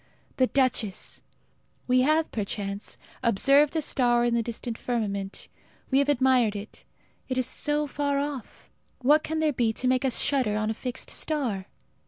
The duchess! We have, perchance, observed a star in the distant firmament. We have admired it. It is so far off. What can there be to make us shudder in a fixed star?